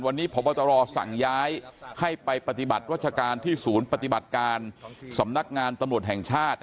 วันนี้พบตรสั่งย้ายให้ไปปฏิบัติรัชการที่ศูนย์ปฏิบัติการสำนักงานตำรวจแห่งชาติ